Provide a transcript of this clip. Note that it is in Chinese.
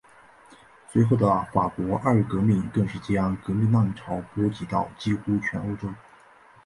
随后的法国二月革命更是将革命浪潮波及到几乎全欧洲。